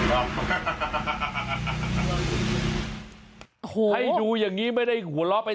ให้ดูอย่างงี้ไม่ได้หัวเราะไป